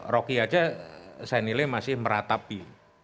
rocky saja saya nilai masih meratapi